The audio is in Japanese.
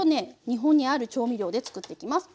日本にある調味料で作っていきます。